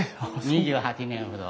２８年ほど。